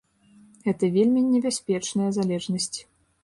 Гэта вельмі небяспечная залежнасць.